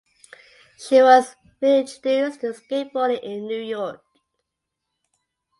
She was reintroduced to skateboarding in New York.